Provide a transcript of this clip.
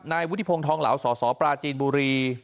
นายวุฒิพงศ์ทองเหลาสสปราจีนบุรี